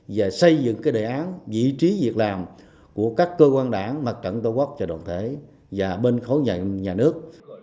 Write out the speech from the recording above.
và xây dựng đề án vị trí việc làm của các cơ quan đảng mặt trận tổ quốc đồng thể và bên khối nhà nước